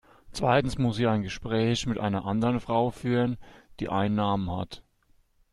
Zweitens muss sie ein Gespräch mit einer anderen Frau führen, die einen Namen hat.